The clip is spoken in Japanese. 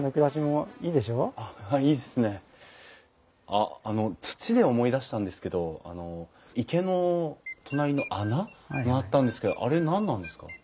あっあの土で思い出したんですけどあの池の隣の穴があったんですけどあれ何なんですか？